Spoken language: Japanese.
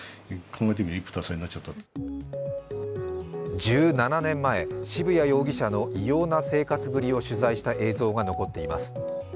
１７年前、渋谷容疑者の異様な生活ぶりを取材した映像が残っています。